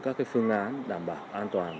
các phương án đảm bảo an toàn